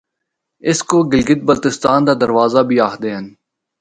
اسکو گلگت بلتستان دا دروازہ بھی آخدے ہن۔